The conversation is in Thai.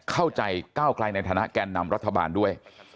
เข้าใจก้าวไกลในฐานะแก่นำรัฐบาลด้วย